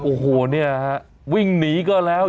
โอ้โหเนี่ยฮะวิ่งหนีก็แล้ว